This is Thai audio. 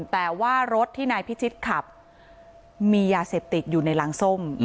แต่ว่ารถที่นายพิชิตขับมียาเสพติดอยู่ในรังส้ม